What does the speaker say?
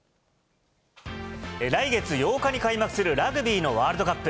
来月８日に開幕するラグビーのワールドカップ。